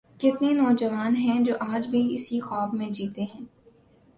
کتنے نوجوان ہیں جو آج بھی اسی خواب میں جیتے ہیں۔